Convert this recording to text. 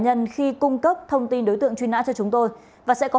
đối với hai đối tượng phạm cùng lúc o